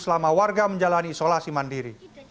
selama warga menjalani isolasi mandiri